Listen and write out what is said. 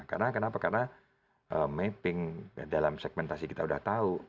karena mapping dalam segmentasi kita sudah tahu